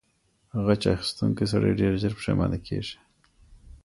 غچ اخیستونکی سړی ډیر ژر پښیمانه کیږي.